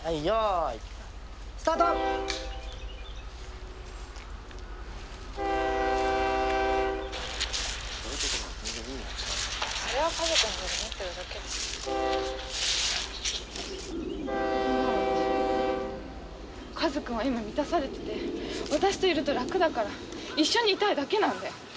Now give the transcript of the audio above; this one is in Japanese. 和君は今満たされてて私といると楽だから一緒にいたいだけなんだよ」